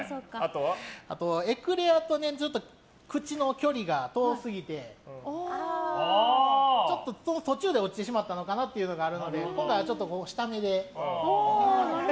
あとは、エクレアと口の距離が遠すぎてちょっと途中で落ちてしまったのかなというのがあるので今回は下めで。